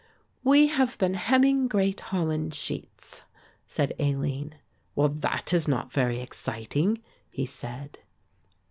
"We have been hemming great holland sheets," said Aline. "Well, that is not very exciting," he said.